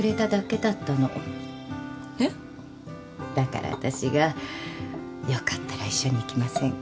だから私が「よかったら一緒に行きませんか？」